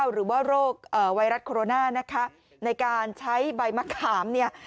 หรือว่าโรคไวรัสโคโรนานะคะในการใช้ใบมะขามเนี่ย